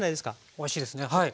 おいしいですねはい。